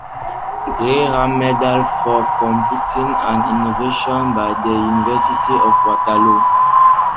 Graham Medal for Computing and Innovation by the University of Waterloo.